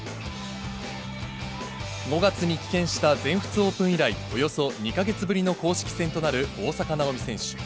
５月に棄権した全仏オープン以来、およそ２か月ぶりの公式戦となる大坂なおみ選手。